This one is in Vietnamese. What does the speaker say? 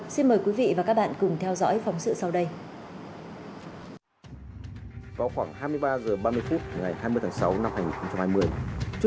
xin mời quý vị tìm hiểu